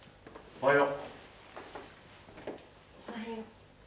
おはよう。